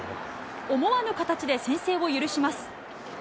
思わぬ形で先制を許します。